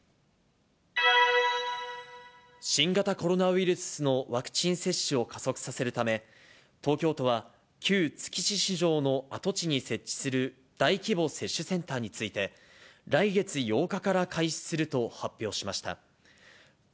新型コロナウイルスのワクチン接種を加速させるため、東京都は、旧築地市場の跡地に設置する大規模接種センターについて、来月８日から開始すると発表しました。